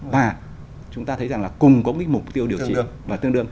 và chúng ta thấy rằng là cùng có mục tiêu điều trị